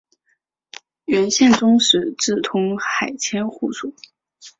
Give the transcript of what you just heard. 元宪宗时置通海千户所。